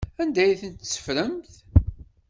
Anda ay tt-teffremt?